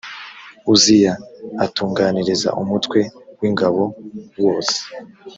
uziya atunganiriza umutwe w ingabo wose